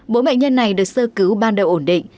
bốn bệnh nhân này được sơ cứu ban đầu ổn định